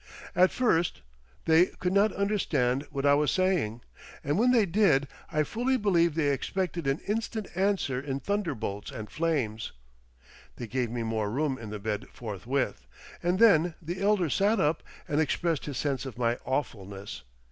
At first they could not understand what I was saying, and when they did I fully believe they expected an instant answer in thunderbolts and flames. They gave me more room in the bed forthwith, and then the elder sat up and expressed his sense of my awfulness.